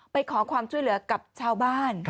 ไปขอความช่วยเหลือกับชาวบ้าน